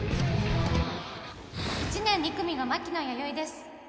１年２組の牧野弥生です